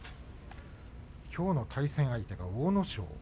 きょうの対戦相手が阿武咲。